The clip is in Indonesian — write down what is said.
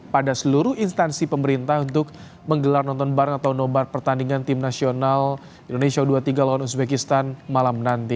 pada seluruh instansi pemerintah untuk menggelar nonton bareng atau nobar pertandingan tim nasional indonesia u dua puluh tiga lawan uzbekistan malam nanti